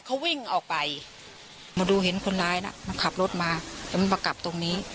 เขาวิ่งออกไปมาดูเห็นคนร้ายน่ะมันขับรถมาแล้วมันมากลับตรงนี้